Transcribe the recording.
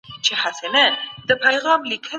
انلاين زده کړه د تمرکز بې تمرين سره نه ترسره کيږي.